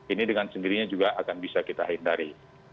ini dengan sendirinya juga akan bisa kita hindari